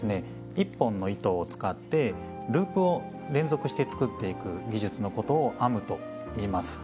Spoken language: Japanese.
１本の糸を使ってループを連続して作っていく技術のことを「編む」といいます。